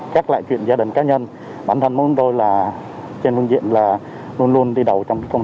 các loại chuyện gia đình cá nhân bản thân chúng tôi là trên phương diện là luôn luôn đi đầu trong công